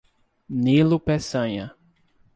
Nilo Peçanha